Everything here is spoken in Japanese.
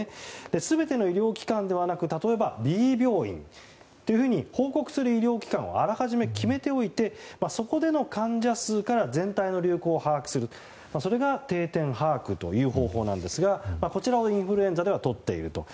全ての医療機関ではなく例えば、Ｂ病院と報告する医療機関をあらかじめ決めておいてそこでの患者数から全体の流行を把握するのが定点把握という方法なんですがこちらをインフルエンザではとっていると。